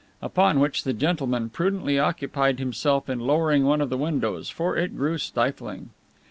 Upon which the gentleman prudently occupied himself in lowering one of the windows, for it grew stifling.